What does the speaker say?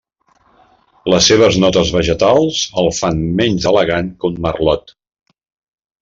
Les seves notes vegetals el fan menys elegant que un Merlot.